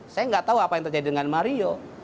saya nggak tahu apa yang terjadi dengan mario